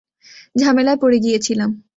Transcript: ঝামেলায় পড়ে গিয়েছিলাম।